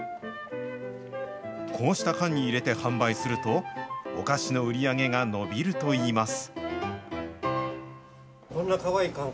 こうした缶に入れて販売すると、お菓子の売り上げが伸びるといいます。